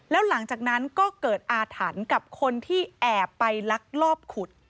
แล้วหลังจากนั้นก็เกิดอาถรรพ์กับคนที่แอบไปลักลอบขุด